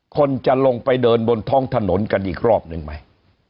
คนจะลงไปเดินบนท้องถนนกันอีกรอบหนึ่งไหม